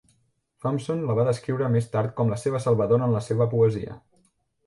Thompson la va descriure més tard com la seva salvadora en la seva poesia .